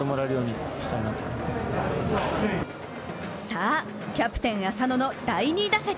さあ、キャプテン・浅野の第２打席。